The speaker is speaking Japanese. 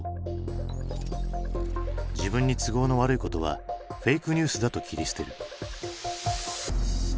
自分に都合の悪いことは「フェイクニュースだ」と切り捨てる。